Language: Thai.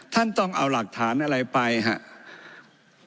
ท่านต้องเอาหลักฐานอะไรไปครับ